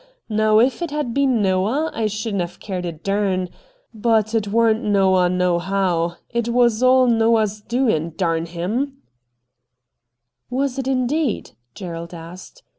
Now ef it had been Xoah I shouldn't have cared a dern, but it warn't 70 RED DIAMONDS Noah, nohow. It was all Noah's doing — darn him !'' Was it indeed ?' Gerald asked.